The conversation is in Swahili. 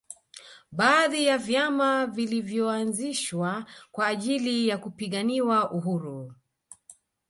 Baadhi ya vyama vilinyoanzishwa kwa ajili ya kupiganiwa uhuru